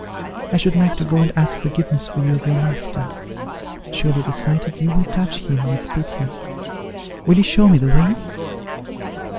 I should like to go and ask forgiveness for you of your master. Surely the sight of you will touch him with pity. Will you show me the way?"